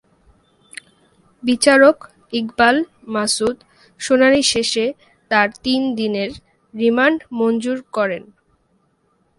বিচারক ইকবাল মাসুদ শুনানি শেষে তাঁর তিন দিনের রিমান্ড মঞ্জুর করেন।